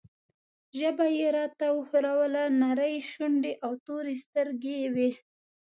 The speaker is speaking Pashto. ژبه یې راته وښوروله، نرۍ شونډې او تورې سترګې یې وې.